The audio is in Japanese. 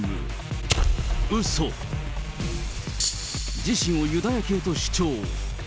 自身をユダヤ系と主張。